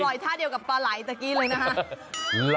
ปล่อยท่าเดียวกับปลาไหล่เมื่อกี้เลยนะฮะ